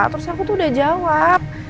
terus aku tuh udah jawab